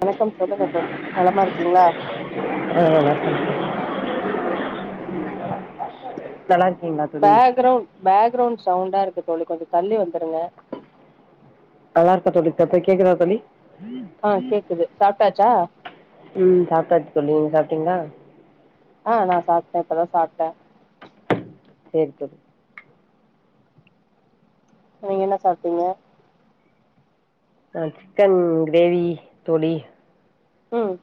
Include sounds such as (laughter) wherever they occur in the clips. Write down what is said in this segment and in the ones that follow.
வணக்கம் சொல்லுங்க தோழி நலமா இருக்கீங்களா ஆ நல்லா இருக்கேன் (unintelligible) பேக்ரவுண்ட் பேக்ரவுண்ட் சவுண்டா இருக்கு தோழி கொஞ்ச தள்ளி வந்துருங்க நல்லா இருக்கா தோழி இப்ப கேக்குதா தோழி ஆ கேக்குது சாப்ட்டாச்சா உம் சாப்டாச்சு தோழி நீங்க சாப்பிட்டீங்களா ஆ நா சாப்பிட்டேன் இப்பதா சாப்பிட்டேன் செரி தோழி நீங்க என்ன சாப்ட்டீங்க ஆ சிக்கன் கிரேவி தோழி உம்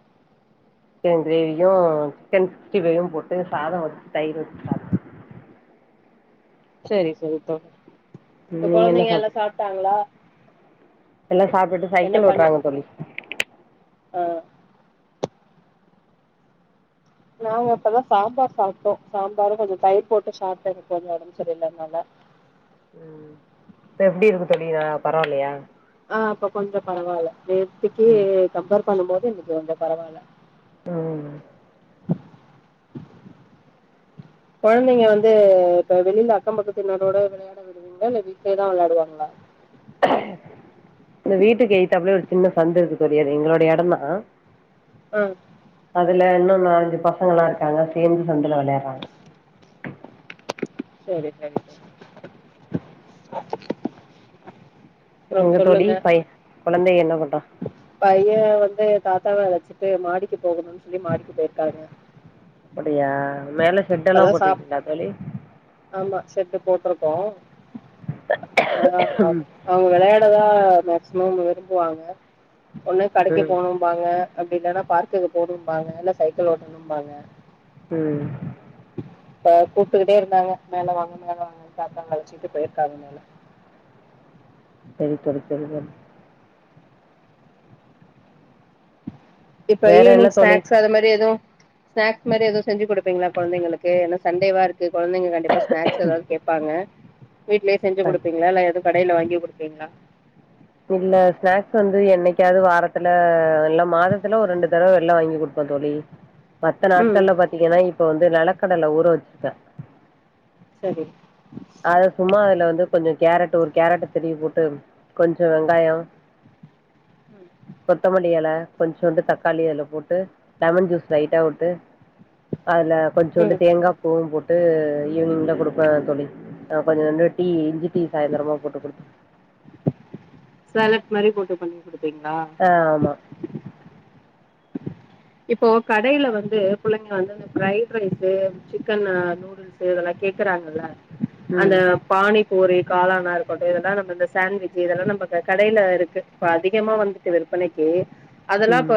சிக்கன் கிரேவியு சிக்கன் சிக்ஸ்டி ஃபைவு போட்டு சாதம் வச்சு தயிர் வச்சு சாப்ட் சரி சரி தோழி இப்ப நீங்கள் என்ன குழந்தைங்க எல்லா சாப்பிட்டீங்க சாப்ட்டாங்களா எல்லா சாப்பிட்டுட்டு என்ன சைக்கிள் பண்ணு ஓட்டுறாங்க தோழி ஆ நாங்க இப்பதா சாம்பார் சாப்பிட்டோ சாம்பாரு கொஞ்ச தயிர் போட்டு சாப்பிட்டே எனக்கு கொஞ்ச உடம்பு சரியில்லனால உம் இப்ப எப்படி இருக்கு தோழி பரவாயில்லையா ஆ இப்ப கொஞ்ச பரவாயில்ல நேத்துக்கி ம் கம்பேர் பண்ணு போது எனக்கு கொஞ்ச பரவால்ல உம் குழந்தைங்க வந்து இப்ப வெளியில அக்கம் பக்கத்தின்னரோட விளையாட விடுவீங்களா இல்ல வீட்லயேதா விளையாடுவாங்களா இந்த வீட்டுக்கு எய்த்தாப்லே ஒரு சின்ன சந்து இருக்கு தோழி அது எங்களோடைய இடம் தா உம் அதுல இன்னொன்னு அஞ்சு பசங்களாம் இருக்காங்க சேர்ந்து சந்துல விளையாடுறாங்க சரி சரி சரி அப்புறம் எங்க தோழி சொல்லுங்க பை குழந்தை என்ன பண்றா பையன் வந்து தாத் ச்சிட்டு மாடிக்கி போகணும்ன்னு சொல்லி மாடிக்கு போயிருக்காங்க அப்படியா மேல ஷெட் எல்லா தான் சாப்ட் போட்டிருக்கீங்களா தோழி ஆமா செட்டு போட்ருக் ஆ ஆ அவங்க விளையாடதா மேக்சிமம் விரும்புவாங்க ஒண்ணு கடைக்கு ம் போணும்பாங்க அப்படி இல்லன்னா பார்க்குக்கு போணும்பாங்க இல்ல சைக்கிள் ஓட்டணும் பாங்க ம் இப்ப கூப்ட்டுக்கிட்டே இருந்தாங்க மேல வாங்க மேல வாங்க பாப்பாங்கள வச்சுக்கிட்டு போயிருக்காங்க மேல சரி தோழி சரி தோழி இப்ப வேற என்ன ஈவினிங் தோழி ஸ்நாக்ஸ் அது மாதிரி எதுவு ஸ்நாக்ஸ் மாரி ஏதோ செஞ்சு கொடுப்பீங்களா குழந்தைங்களுக்கு ஏன்னா சண்டேவா குழந்தைங்க கண்டிப்பா ஸ்நாக்ஸ் எதாவது கேட்பாங்க வீட்லயே செஞ்சு கொடுப்பீங்கள இல்ல எது கடையில வாங்கி குடுபிங்களா எப்பயாது வாரத்துல எல்லாம் மாதத்துல ஒரு ரெண்டு தடவை வெளில வாங்கி குடுப்பேன் தோழி மத்த ம் நாட்கள்ல பாத்தீங்கன்னா இ இப்ப வந்து நிலக்கடலை ஊற வச்சிருக்கே சரி அத சும்மா அதுல வந்து கொஞ்ச கேரட் ஒரு கேரட் ஆ திருகி போட்டு கொஞ்சம் வெங்காயம் கொத்தமல்லி இலை கொஞ்சண்டு வந்து தக்காளி அதுல போட்டு லெமன் ஜூஸ் லைட்டா உட்டு அதில் கொஞ்சோண்டு ம் தேங்காய் பூவும் போட்டு ஈவினிங்ல கொடுப்பம் ஆ தோழி ஆ கொஞ்சண்டு டீ இஞ்சி டீ சாயந்திரமா போட்டு கொடுத் சாலட் மாதிரி போட்டு பண்ணி கொடு ஆ ஆமா இப்போ கடையில வந்து புள்ளைங்க வந்து அந்த பிரைட் ரைஸ் சிக்கன் நூடுல்ஸ் இதெல்லா கேக்குறாங்கல்ல அந்த ம் பாணி புரி காளானா இருக்கட்டும் இதெல்லாம் நம்ம இந்த சாண்ட்விஜ் இதெல்லாம் நம்ம கடையில இருக்கு இப்ப அதிகமா வந்துட்டு விற்பனைக்கு அதெல்லா ம் இப்ப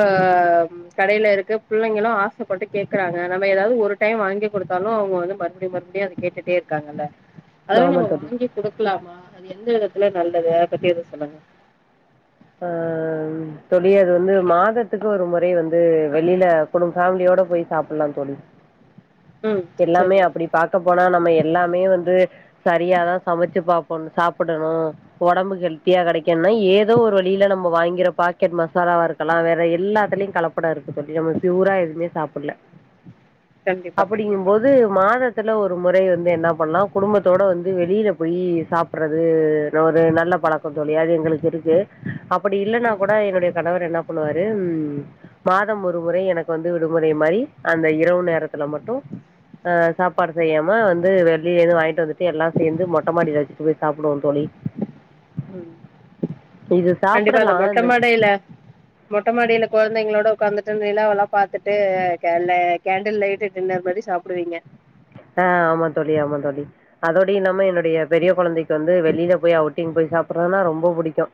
கடையில இருக்கு பிள்ளைங்களும் ஆசைப்பட்டு கேக்குறாங்க நம்ம ஏதாவது ஒரு டைம் வாங்கி கொடுத்தாலும் அவங்க வந்து மறுபடியும் மறுபடியும் அதை கேட்டுட்டே இருக்காங்கல்ல அதெல்லா ஆமா நம்ம தோழி வாங்கி கொடுக்கலாமா அது எந்த விதத்துல நல்லது அத பத்தி எதவு சொல்லுங்க ஆ தோழி அது வந்து மாதத்துக்கு ஒரு முறை வந்து வெளில குடும் ஃபேமிலியோட போய் சாப்பிடலா தோழி ம் எல்லாமே சரி அப்படி பாக்க போனா நம்ம எல்லாமே வந்து சரியாதா சமைச்சு பாபோ ஒண்ணு சாப்பிடணு உடம்புக்கு ஹெல்த்தியா கிடைக்கும்னா ஏதோ ஒரு வழியில நம்ம வாங்கிற பாக்கெட் மசாலாவா இருக்கலா வேற எல்லாத்துலயு கலப்படம் இருக் தோழி நம்ம பியூரா எவுமே சாப்பிடல கண்டிப்பா ம் அப்படிங்கபோது மாதத் துல ஒரு முறை வந்து என்ன பண்ணலா குடும்பத்தோட வந்து வெளியில போய் சாப்பிடறது ஒரு நல்ல பழக்கம் தோழி அது எங்களுக் இருக்கு அப் படி இல்லன்னா ம் கூட என்னுடைய கணவர் என்ன பண்ணுவாரு உம் மாதம் ஒரு முறை எனக்கு வந்து விடுமுறை மாதிரி அந்த இரவு நேரத்தில் மட்டு ஆ சாப்பாடு செய்யாம வந்து வெளியில எது வாங்கிட்டு வந்துட்டு எல்லா சேர்ந்து மொட்ட மாடியில வச்சுட்டு போய் சாப்பிடுவோ தோழி ம் இது கண்டிப்பாா சாப்பிடலாம் இந்த மொட்டைமாடையில மொட்டைமாடியில குழந்தைங்களோட உடக்காந்துட்டு நிலாவல்லா பாத்துட்டு கேண்டில் லைட்டு டின்னர் மாறி சாப்பிடுவீங்க ஆ ஆமா தோழி ஆமா தோழி அதோட இல்லாம என்னோட ஏ பெரிய குழந்தைக்குவந்து வெளில போய் அவுட்டிங் போய் சாப் அப்புறனா ரொம்ப புடிக்கு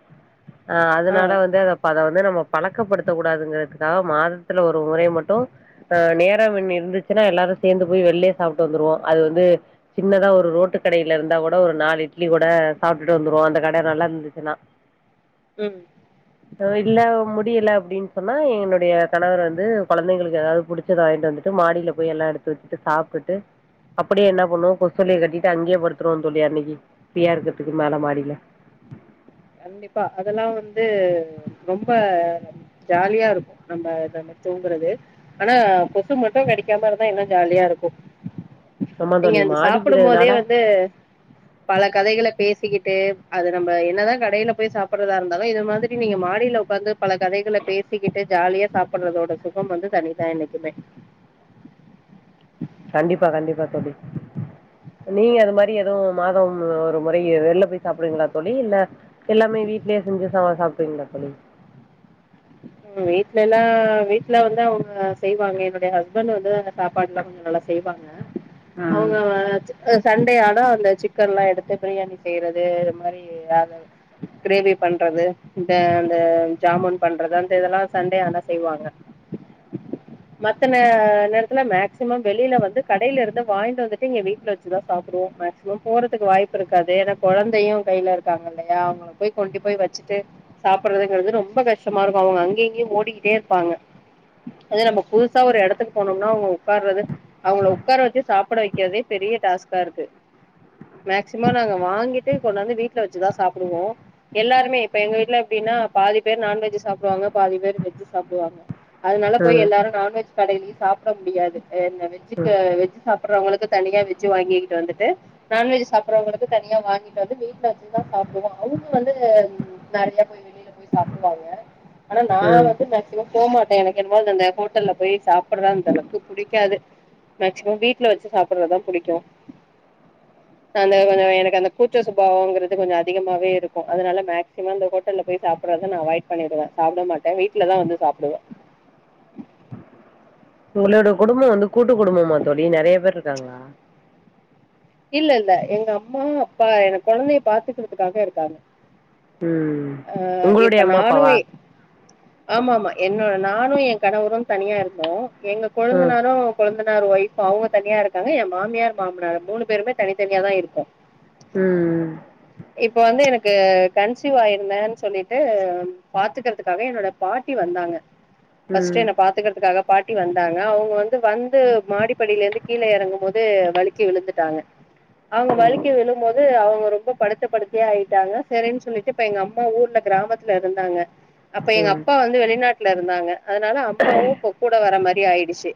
ஆ அதனால வந்து அதப் அத வந்து நம்ம பழக்கப்படுத்தக்க கூடாதுங்கிறதுக்காக மாதத்துல ஒரு முறை மட்டு ஆ நேரமின்மை இருந்துச்சுன்னா எல்லாரு சேந்து போய் வெளியிலேயே சாப்பிட்டு வந்துருவோ அது வந்து சின்னதா ஒரு ரோட்டு கடையில இருந்தா கூட ஒரு நாலு இட்லி கூட சாப்பிட்டுட்டு வந்துருவோ அந்த கட நல்லா இருந்துச்சுன்னா உம் இல்ல முடியல அப்டின்னு சொன்னா என்னுடைய கணவர் வந்து கொழந்தைங்களுக்கு ஏதாவது புடிச்சத வாங்கிட்டு வந்துட்டு மாடியில போய் எல்லா எடுத்து வச்சுட்டு சாப் ட்டு அப்டியே என்ன பண்ணுவோ கொசுவலைய கட்டிட்டு அங்கேயே படுத்துருவோ தோழி அன்னைக்கு ஃப்ரீயா இருக்கிறதுக்கு மேல மாடியில கண்டிப்பா அதெல்லா வந்து ரொம்ப ஜாலியா இருக்கு நம்ம இத தூங்குறது ஆனா கொசு மட்டு கடிக்காம இருந்தா இன்னு ஜாலியா இருக்கு ஆமா நீங்க தோழி அந்த சாப்பிடு போதே மாடிங்கிறதுனால வந்து பல கதைகள பேசிக்கிட் டே அது நம்ம என்னதா க கடையில போய் சாப்பிடுறதா இருந்தாலு இது மாதிரி நீங்க மாடியில உக்காந்து பல கதைகள பேசிக்கிட்டு ஜாலியா சாப்பிடுறதோட சுகம் வந்து தனிதா என்னைக்குமே கண்டிப்பா கண்டிப்பா தோழி நீங்க அது மாதிரி எதுவு மாதம் ஒரு முறை வெளில போய் சாப்பிடுறீங்களா தோழி இல்ல எல்லாமே வீட்லயே செஞ்சு சாப்பிடுவீங்களா தோழி உம் வீட்ல எல்லா வீட்டுல வந்து அவங்க செய்வாங்க என்னுடைய ஹஸ்பண்ட் வந்து அந்த சாப்பாடு எல்லா கொஞ்சோ நல்லா செய்வாங்க ம் அவங்க (unintelligible) சண்டே ஆன அந்த சிக்கன்லா எடுத்து பிரியாணி செய்யறது இது மாரி அத கிரேவி பண்றது இந்த அந்த ஜாமுன் பண்றதா இந்த இதெல்லா சன்டே ஆன செய்வாங்க மத்த நே நேரத்துல மேக்சிமம் வெளியில வந்து கடையில இருந்து வாங்கி வந்துட்டுங்க இங்க வீட்டுல வச்சுதா சாப்பிடுவோ மேக்சிமம் போறதுக்கு வாய்ப்பு இருக்காது ஏன்னா கொழந்தையு கையில இருக்காங்க இல்லையா அவங்கள போய் கொண்டு போய் வச்சுட்டு சாப்பிடுறதுங்கிறது ரொம்ப கஷ்டமா இரு இப்ப அவங்க அங்கங்கயு ஓடிக்கிட்டே இருப்பாங்க அது நம்ம புதுசா ஒரு எடத்துக்கு போனோம்னா அவங்க உக்காறது அவங்கள உக்கார வச்சு சாப்பிட வெக்கறதே பெரிய டாஸ்கா இருக்கு மேக்சிமம் நாங்க வாங்கிட்டு கொண்டாந்து வீட்டுல வச்சுதா சாப்பிடுவோ எல்லாருமே இப்ப எங்க வீட்டுல எப்டின்னா பாதி பேர் நான்வெஜ் சாப் டுவாங்க பாதி பேர் வெஜ்ஜு சாப்பிடுவாங்க அதனால போய் ம் எல்லாரு நான்வெஜ் கடயிலு சாப்பிட முடியாது என்ன வெஜ்ஜுக்கு வெஜ் சாப்ப சாபறவங்களுக்கு தனியா வெஜ் வாங்கிக்கிட்டு வந்துட்டு நான்வெஜ் சாப்பிடுறவங்களுக்கு தனியா வாங்கிட்டு வந்து வீட்டுல வச்சுதா சாப்பிடுவோ அவுங்க வந்து நெறைய போய் வெளியில போய் சாப்பிடுவாங்க ஆனா நா ம் வந்து மேக்சிமம் போமாட்டே எனக்கு என்னமோ அந்த ஹோட்டல்ல போய் சாப்பிடுறதா அந்தளவுக்கு பிடிக்காது மேக்சிமம் வீட்டுல வச்சு சாப்பிடுறதா புடிக்கு அந்த அந்த எனக்கு அந்த கூச்ச சுபாவம்ங்கிறது கொஞ்சோ அதிகமாவே இருக்கு அதனால மேக்சிமம் அந்த ஹோட்டல்ல போய் சாப்பிறதா நா அவாய்ட் பண்ணிடுவ சாப்பிட மாட்ட வீட்டுலதா வந்து சாப்பிடுவ உங்களோட குடும்ப வந்து கூட்டு குடும்பமா தோழி நெறைய பேர் இருக்காங்களா இல்ல இல்ல எங்க அம்மா அப்பா என கொழந்தைய பாத்துக்கிறதுக்காக இருக்காங்க ம் ஆ உங்களுடைய இப்ப அம்மா நானு அப்பாவா ஆமா ஆமா என் நானு எ கணவரு தனியா இருந்தோ எங்க ம் கொழுந்தனாரு கொழுந் னார் ஒய்ஃப் அவங்க தனியா இருக்காங்க எ மாமியார் மாமனார் மூணு பேருமே தனித்தனியா தா இருக்கோ உம் இப்ப வந்து எனக்கு கன்சிவாயிருந்தேன்னு சொல்லிட்டு பாத்துக்கறதுக்காக என்னோட பாட்டி வந்தாங்க ம் ஃப்ஸ்ட் என்ன ம் பாத்துக்கறதுக்காக பா ட்டி வந்தாங்க அவங்க வந்து வந்து மாடிப்படியில இருந்து கீழே எறங்கு போது வலிக்கி விழுந்துட்டாங்க அவங்க வலிக்கி விழும்போது அவங் ரொம்ப படுத் த்த படுக்கையா ஆயிட்டாங்க செரின்ன்னு சொல்லிட்டு இப்ப எங்க அம்மா ஊர்ல கிராமத்துல இருந்தாங்க அப்ப எங்க ம் அப்பா வந்து வெளிநாட் குல இருந்தாங்க அதனால அம்மாவு இப்ப கூட வர மா ரி ஆயிடுச்சி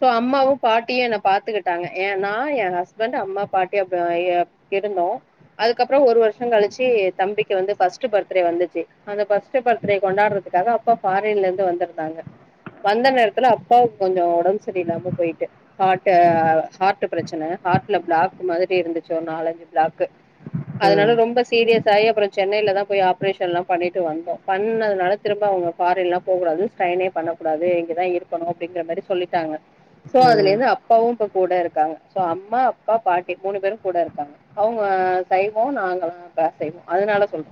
சோ அம்மாவு‌ பாட்டியு என்ன பாத்துக்கிட்டாங்க ஏனா ஏ ஹஸ்பண்ட்டு அம்மா பாட்டி அப்ப ஏ இருந்தோ அதுக்கப்புறோ ஒரு வருஷோ கழிச்சி தம்பிக்கு வந்து ஃபர்ஸ்ட்டு பர்த்டே வந்துச்சி அந்த‌ ஃபர்ஸ்ட்டு பர்த்டே கொண்டாடுறதுக்காக அப்பா ஃபாரின்ல இருந்து வந்திருந்தாங்க வந்த நேரத்துல அப்பாக்கு கொஞ்சோ ஒடம் சரி இல்லாம போயிட்டு ஹாட்டு ஹார்ட்டு பிரச்சன ஹார்ட்டுல பிளாக் மாரி இருந்துச்சு ஒரு நாலஞ்சு பிளாக்கு அதனால ம் ரொம்ப சீரிய ஸ் ஆய் அப்புறோ சென்னையிலதா போய் ஆப்ரேஷன்ளா பண்ணிட்டு வந்தோ பண்ணதுனால திரும்ப அவுங்க ஃபாரின்லா போகூடாது ஸ்ட்ரைனே பண்ண கூடாது இங்கதா இருக்கணு அப்டிங்கிற மாரி சொல்லிட்டாங்க சோ அதுல இருந்து அப்பாவு இப்போ கூட இருக்காங்க சோ அம்மா அப்பா பாட்டி மூணு பேரு கூட இருக்காங்க அவுங்க சைய்வோ நாங்களா அசைவோ அதனால சொல்ற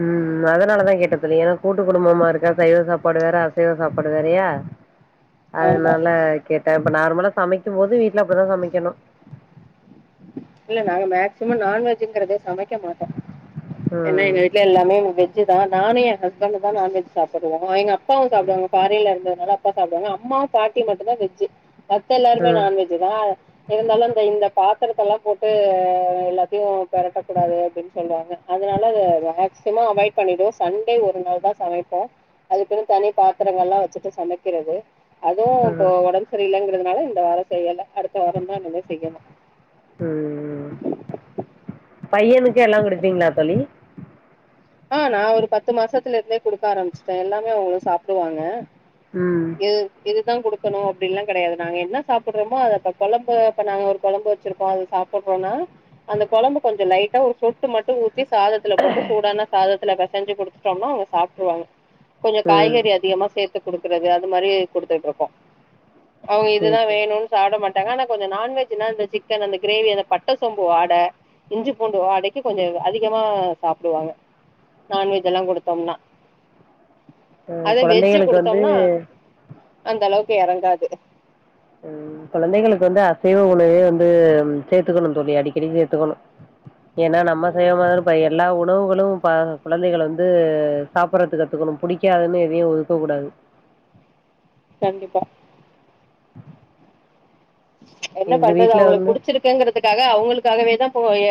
ம் அதனாலதா கேட்ட தோழி ஏனா கூட் டு குடும்பமா இருக்கறது சைவ சாப்பாடு வேற அசைவ சாப்பாடு வேறையா ஆமா அதனால கேட்ட இப்ப நார்மலா சமைக்கு போது வீட்டுல அப்படித்தா சமைக்கணு இல்ல நாங்க மேக்சிமோ நான்வெஜ்ங்றதே சமைக்க மாட்டோ ஏன்ன ம் எங்க வீட்டுல எல்லாமே வெஜ் தா நானு ஏ ஹஸ்பண்ட்டு தா நான்வெஜ் சாப்புடுவோ எங்க அப் பாவு சாப்டுவாங்க ஃபாரின்லருந்த அதுனால அப்பா சாப்டுவாங்க அம்மாவு பாட்டியு மட்டும்ந்தா வெஜ்ஜு மத்த எல்லாருமே ம் நான் வெஜ் தா இருந்தாலு இந்த இந்த பா ட்டல்லா‌ போட்டு எல்லாத்தையு பெரட்டக்கூடாது அப்டின்னு சொல்றாங்க அதனால அத மேக்சிமோ அவாய்ட் பண்ணிடு சண்டே ஒரு நாள்தா சமைப்போ அதுக்குன்னு தனி பாத்திரங்கள்ல்லா வெச்சிட்டு சமைக்கிறது அதுவு இப்போ ம் ஒடம் சரி இல்லங்க றதுனால இந்த வாரோ செய்யல அடுத்த வாரோந்தா இனிமே செய்யணு ம் பையனுக்கு எல்லா குடுப்பீங்ளா தோழி ஆ நா ஒரு பத்து மாசத்துல இருந்தே குடுக்க ஆரம்பிச்சிட்ட எல்லாமே அவுங்களு சாப்டுவாங்க ம் இ எதுதா குடு க்கணு அப்டின்லா கெடையாது நாங்க என்ன சாப்பிடறோமோ அத அப்ப கொழம்பு அப்ப நாங்க ஒரு கொழம்பு வெச்சிருக்கோ அத சாப்பிடறோனா அந்த கொழம்பு கொஞ்சோ லைட்டா ஒரு சொ ட்டு மட்டு ஊத்தி சாதத்துல போட்டு சூடான சாதத்துல பெசஞ்சு குடுத்துட்டோம்னா அவுங்க சாப்ட்றுவாங்க கொஞ்சோ காய்கறி அதிகமா சேத் த்து குடுக்கறது அது மாரி குடுத்துட்ருக்கோ அவுங்க சேரி இதுதா சேரி வேணுன் சாப்டமாட் டாங்க ஆனா கொஞ்சோ நான்வெஜ்னா அந்த சிக்கன் அந்த கிரேவி அந்த பட்ட சோம்பு வாட இஞ்சி பூண்டு வாடைக்கு கொஞ்சோ அதிகமா சாப்டுவாங்க நான்வெஜ் எல்லா குடுத்தோம்னா அ கொழந்தைங்களுக்கு வந்து அந்த அளவுக்கு எறங்காது உ கொழந்தைகளுக்கு வந்து அசைவ உணவே வந்து சேத்துக்கணு தோழி அடிக்கடி சேத்துக்கணு ஏனா நம்ம செய்ய ம் மாரி இப்ப எல்லா உணவுகளு ப குழந்தைகள வந்து சாப்பிடறதுக்கு கத்துக்கணு புடிக்காதுன்னு எதையு ஒதுக்க கூடாது கண்டிப்பா என்ன எங்க பண்றது வீட்ல அவுங்களுக்கு வந்து புடிச்சிருக்குங்கறதுக்காக அவுங்களுக்காகவேதா இப்போய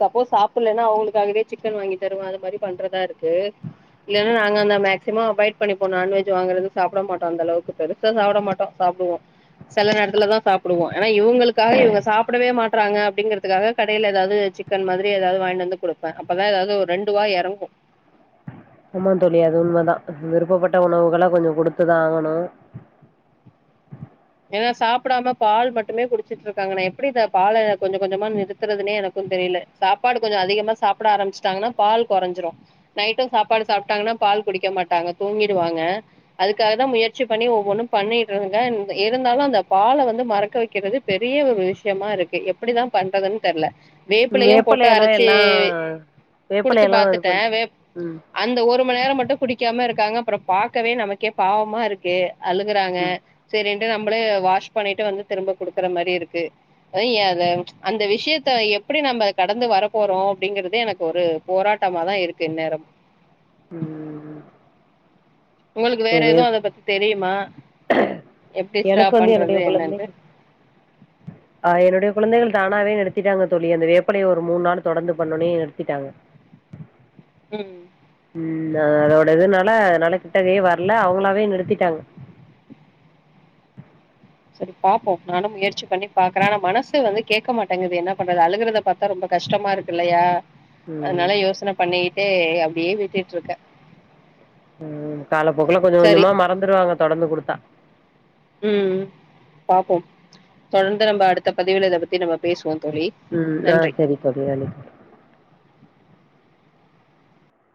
சப்போஸ் சாப்பிடலன்னா அவுங்களுக்காகவே சிக்கன் வாங்கி தருவோ அது மாரி பண்றதா இருக்கு இல்லைனா நாங்க அந்த மேக்சிமம் அவாய்ட் பண்ணிப்போ நான்வெஜ் வாங்குறது சாப்பிட மாட்டோ அந்த அளவுக்கு பெருசா சாப்பிட மாட்டோ சாப்பிடுவோ சில நேரத்துலதா சாப்பிடுவோ ஆனா இவூங்களுக்காக இவுங்க சாப்பிடவே மாட்றாங்க அப்படிங்கிறதுக்காக கடைல எதாவது சிக்கன் மாதிரி எதாவது வாங்கிட்டு வந்து குடுப்பேன் அப்பதா எதாவது ஒரு ரெண்டு வாய் இறங்கு ஆமாந் தோழி அது உண்மைதா விருப்பப்பட்ட உணவுகள கொஞ்சோ குடுத்துதா ஆகணு ஏனா சாப்பிடாம பால் மட்டுமே குடிச்சிட்டு இருக்காங்க நா எப்டி இந்த பால கொஞ்ச கொஞ்சமா நிறுத்துறதுனே எனக்குந் தெரில சாப்பாடு கொஞ்சோ அதிகமா சாப்பிட ஆரம்பிச்சிட்டாங்கன்னா பால் குறஞ்சிரு நைட்டு சாப்பாடு சாப்ட்டாங்கன்னா பால் குடிக்க மாட்டாங்க தூங்கிருவாங்க அதுக்காகதா முயற்சி பண்ணி ஒவ்வொன்னு பண்ணிட்றாங்க இருந்தாலு அந்த பால வந்து மறக்க வெக்கிறது பெரிய ஒரு விஷ்யமா இருக்கு எப்டிதா பண்றதுன்னு தெர்ல வேப்பிலையு போட்டு வேப்பலையெல்லா அரச்சி எல்லா குடுத்து வேப்பலையெல்லா இது பாத்துட்டேன் பண்ட்டு வேப் ம் அந்த ஒரு ம்ம நேரோ மட்டு குடிக்காம இருக்காங்க அப்புறோ பாக்கவே நமக்கே பாவமா இருக்கு அழுகுறாங்க ம் சொல்லிண்டு நம்மளே வாஷ் பண்ணிட்டு வந்து திரும்ப குடுக்குற மாரி இருக்கு அய் அ ப்ச் அந்த விஷ்யத்த எப்டி நம்ம கடந்து வர போறோ அப்படிங்கறது எனக்கு ஒரு போராட்டமாதா இருக்கு எந்நேரம் ம் உங்களுக்கு சரி வேற எதுவு வேப் அத பத்தி தெரியுமா எப்படி எனக்கு ஸ்டாப் வந்து என்னுடைய பண்றது குழந்தை என்னன்ட்டு? ஆ என்னுடைய குழ பிள்ளைகள் தானாவே நிருத்திட்டாங்க தோழி அந்த வேப்பலைய ஒரு மூணு நாள் தொடர்ந்து பண்ணொன்னயே நிருத்திட்டாங்க ம் ம் அதோட இதுனால அதனால கிட்டவே வர்ல அவுங்களாவே நிறுத்திட்டாங்க சரி பாப்போ நானு முயற்சி பண்ணி பாக்குறே ஆனா மனசு வந்து கேட்கமாட்டேங்குது என்ன பண்றது அழுகுறத பாத்தா ரொம்ப கஷ்டமாருக்கு இல்லயா ம் அதுனால யோசன பண்ணிகி டே அப்டியே விட்டுட்டுருக்க ம் காலப்போக்குல கொஞ்சோ கொஞ்சமா மறந்துருவாங்க தொடந்து குடுத்தா ம் பாப்போ தொடந்து நம்ம அடுத்த பதிவுல இத பத்தி நம்ம பேசுவோ தோழி ம் ஆ நன்றி செரி தோழி நன்றி தோழி